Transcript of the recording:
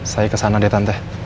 saya ke sana deh tante